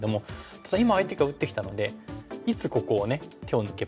ただ今相手が打ってきたのでいつここを手を抜けばいいか。